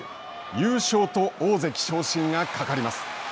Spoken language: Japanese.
優勝と大関昇進がかかります。